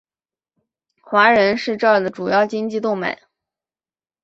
华人是这的主要经济动脉。